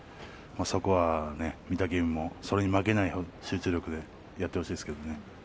そこは御嶽海もそれに負けない集中力でやってほしいですね。